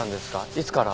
いつから？